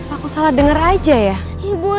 ibu aku denger ibu